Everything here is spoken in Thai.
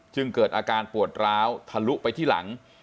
เกิดอาการปวดร้าวทะลุไปที่หลัง